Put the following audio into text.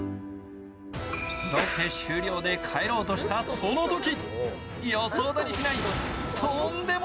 ロケ終了で帰ろうとしたそのとき！